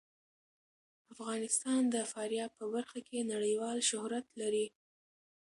افغانستان د فاریاب په برخه کې نړیوال شهرت لري.